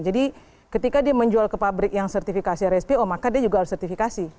jadi ketika dia menjual ke pabrik yang sertifikasi rspo maka dia juga harus sertifikasi